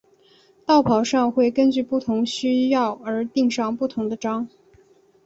道袍上会根据不同需要而钉上不同的章。